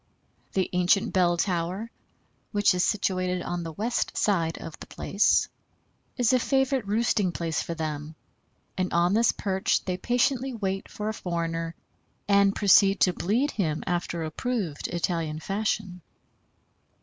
The ancient bell tower, which is situated on the west side of the place, is a favorite roosting place for them, and on this perch they patiently wait for a foreigner, and proceed to bleed him after approved Italian fashion.